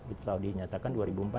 itu selalu dinyatakan dua ribu empat belas